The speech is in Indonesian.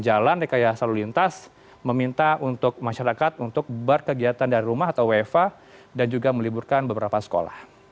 jalan rekayasa lalu lintas meminta untuk masyarakat untuk berkegiatan dari rumah atau wefa dan juga meliburkan beberapa sekolah